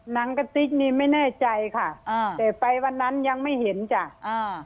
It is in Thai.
หนังกะติ๊กนี่ไม่แน่ใจค่ะอ่าแต่ไปวันนั้นยังไม่เห็นจ้ะอ่า